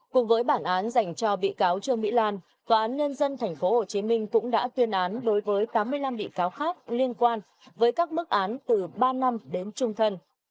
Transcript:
cùng với bản án dành cho bị cáo trương mỹ lan tòa án nhân dân tp hcm cũng đã tuyên án đối với tám mươi năm bị cáo khác liên quan với các mức án từ ba năm đến trung thân